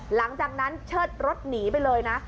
หลังจากนั้นเชิดรถหนีไปเลยนะ